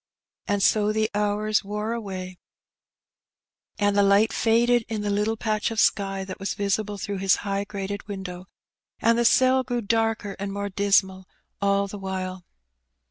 And so the hours wore away, and the light faded in the little patch of sky that was visible through his high grated window, and the cell grew darker and more dismal all the while.